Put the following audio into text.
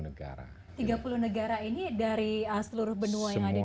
tiga puluh negara ini dari seluruh benua yang ada di